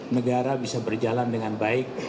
negara bisa berjalan dengan baik